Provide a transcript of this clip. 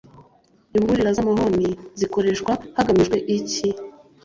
imburira z’amahoni zikoreshwa hagamijwe iki